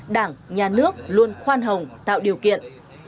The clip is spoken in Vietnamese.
đảng nhà nước luôn khoan hồng tạo điều kiện